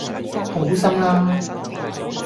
好心啦